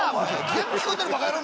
全部聞こえてるバカ野郎。